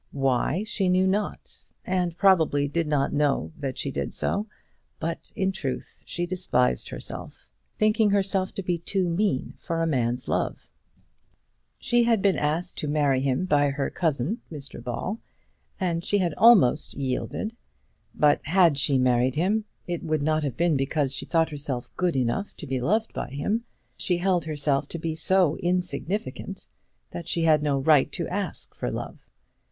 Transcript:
Why, she knew not; and probably did not know that she did so. But, in truth, she despised herself, thinking herself to be too mean for a man's love. She had been asked to marry him by her cousin Mr Ball, and she had almost yielded. But had she married him it would not have been because she thought herself good enough to be loved by him, but because she held herself to be so insignificant that she had no right to ask for love.